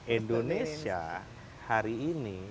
indonesia hari ini